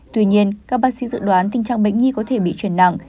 tuy nhiên các bác sĩ dự đoán tình trạng bệnh nhi có thể bị chuyển nặng